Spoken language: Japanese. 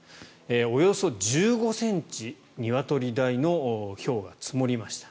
およそ１５ｃｍニワトリ卵大のひょうが降りました。